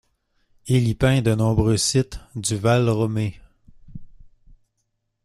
Il y peint de nombreux sites du Valromey.